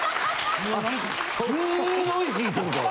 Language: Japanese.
すんごい聞いてるから。